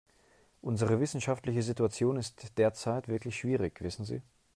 Unsere wirtschaftliche Situation ist derzeit wirklich schwierig, wissen Sie.